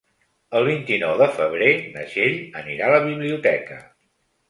El vint-i-nou de febrer na Txell anirà a la biblioteca.